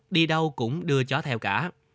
đi đâu cũng đưa chó theo cả